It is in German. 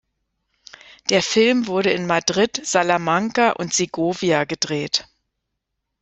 Der Film wurde in Madrid, Salamanca und Segovia gedreht.